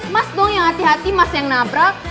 mas dong yang hati hati mas yang nabrak